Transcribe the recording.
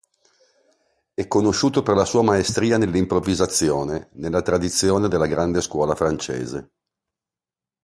È conosciuto per la sua maestria nell'improvvisazione, nella tradizione della grande scuola francese.